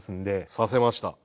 差せました。